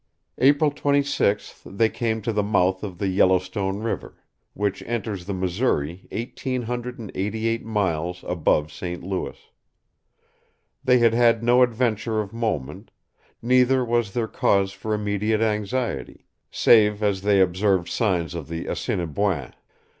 April 26th they came to the mouth of the Yellowstone River, which enters the Missouri 1888 miles above St. Louis. They had had no adventure of moment; neither was there cause for immediate anxiety, save as they observed signs of the Assiniboins.